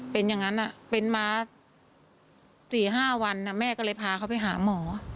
เป็นอย่างนั้นเป็นมา๔๕วันแม่ก็เลยพาเขาไปหาหมอ